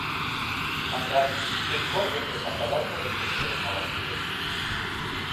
— Ондак Пеньков дене пашадар шотышто кутырен налаш кӱлеш.